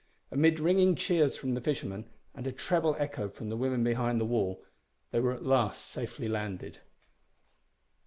Amid ringing cheers from the fishermen and a treble echo from the women behind the wall they were at last safely landed.